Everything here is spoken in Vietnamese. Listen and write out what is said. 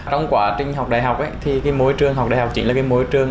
trong quá trình học đại học thì môi trường học đại học chính là cái môi trường